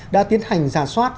đã tiến hành ra soát